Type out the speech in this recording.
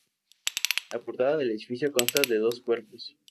La portada del edificio consta de dos cuerpos.